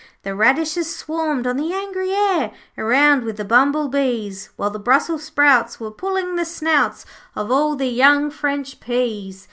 'The radishes swarmed on the angry air Around with the bumble bees, While the brussels sprouts were pulling the snouts Of all the young French peas.